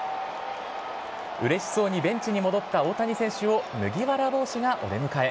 うれしそうにベンチに戻った大谷選手を、麦わら帽子がお出迎え。